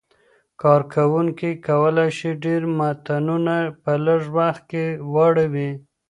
کاروونکي کولای شي ډېر متنونه په لږ وخت کې واړوي.